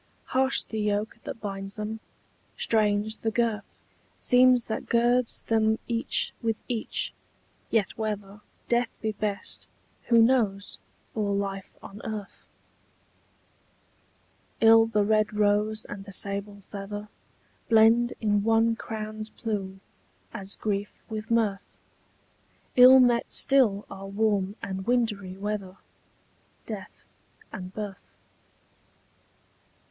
Harsh the yoke that binds them, strange the girth Seems that girds them each with each: yet whether Death be best, who knows, or life on earth? Ill the rose red and the sable feather Blend in one crown's plume, as grief with mirth: Ill met still are warm and wintry weather, Death and birth.